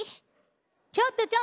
ちょっとちょっと！